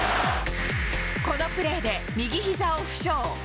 このプレーで右ひざを負傷。